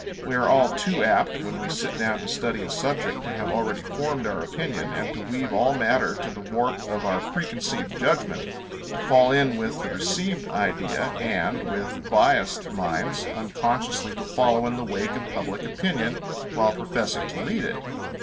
We are all too apt when we sit down to study a subject to have already formed our opinion, and to weave all matter to the warp of our preconceived judgment, to fall in with the received idea, and, with biassed minds, unconsciously to follow in the wake of public opinion, while professing to lead it.